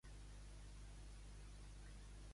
Què és allò que vol assegurar ell?